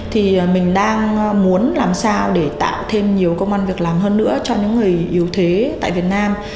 thì mình đang muốn làm sao để tạo thêm nhiều công an việc làm hơn nữa cho những người yếu thế tại việt nam